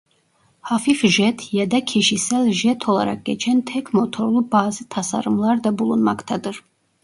Hafif jet ya da kişisel jet olarak geçen tek motorlu bazı tasarımlar da bulunmaktadır.